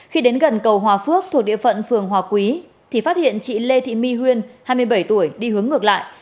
khi đến gần cầu hòa phước thuộc địa phận phường hòa quý thì phát hiện chị lê thị myên hai mươi bảy tuổi đi hướng ngược lại